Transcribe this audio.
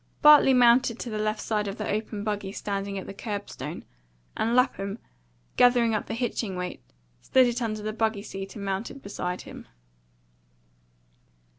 Bartley mounted to the left side of the open buggy standing at the curb stone, and Lapham, gathering up the hitching weight, slid it under the buggy seat and mounted beside him.